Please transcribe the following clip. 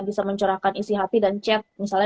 bisa mencerahkan isi hati dan chat misalnya